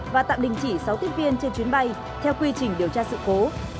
và tạm đình chỉ sáu tiếp viên trên chuyến bay theo quy trình điều tra sự cố